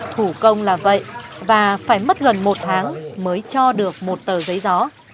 thủ công là vậy và phải mất gần một tháng mới cho được một tờ giấy gió